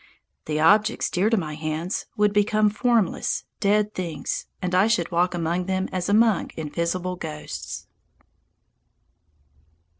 The objects dear to my hands would become formless, dead things, and I should walk among them as among invisible ghosts.